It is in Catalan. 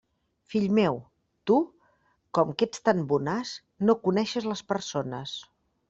Fill meu, tu, com que ets tan bonàs, no coneixes les persones.